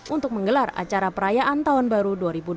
untuk menggelar acara perayaan tahun baru dua ribu dua puluh